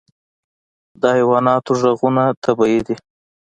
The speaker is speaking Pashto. د حیواناتو غږونه طبیعي دي.